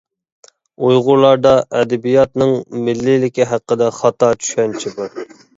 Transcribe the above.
ئۇيغۇرلاردا ئەدەبىياتنىڭ مىللىيلىكى ھەققىدە خاتا چۈشەنچە بار.